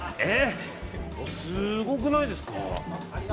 すごくないですか？